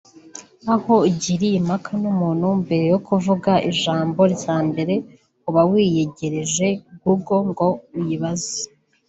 aho ugiriye impaka n’umuntu mbere yo kuvuga ijambo rya mbere uba wiyegereje google ngo uyibaze